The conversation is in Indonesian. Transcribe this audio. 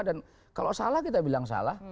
dan kalau salah kita bilang salah